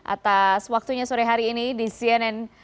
atas waktunya sore hari ini di cnn